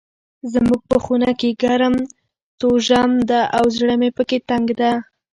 زموږ په خونه کې ګرم توژم ده او زړه مې پکي تنګ ده.